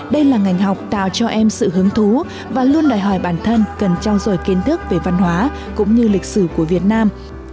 đây là ngành học tạo cho em sự hứng thú và luôn đòi hỏi bản thân cần trao dồi kiến thức về văn hóa cũng như lịch sử của việt nam